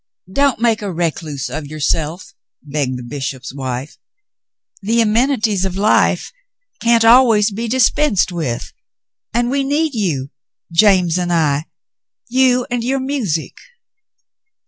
"Don't make a recluse of yourself," begged the bishop's wife. "The amenities of life can't always be dispensed with, and we need you, James and I, you and your music.'